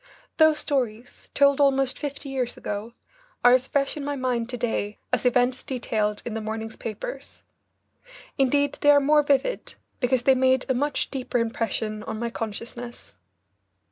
Those stories, told almost fifty years ago, are as fresh in my mind to day as events detailed in the morning's papers. Indeed they are more vivid, because they made a much deeper impression on my consciousness.